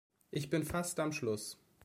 Ich bin fast am Schluss.